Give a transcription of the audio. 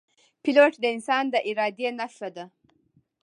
پیلوټ د انسان د ارادې نښه ده.